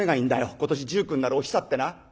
今年１９になるお久ってな。